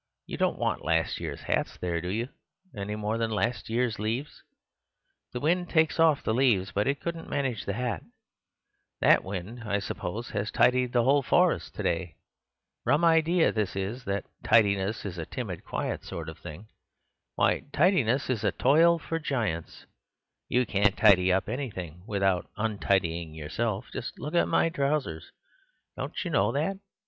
You don't want last year's hats there, do you, any more than last year's leaves? The wind takes off the leaves, but it couldn't manage the hat; that wind, I suppose, has tidied whole forests to day. Rum idea this is, that tidiness is a timid, quiet sort of thing; why, tidiness is a toil for giants. You can't tidy anything without untidying yourself; just look at my trousers. Don't you know that?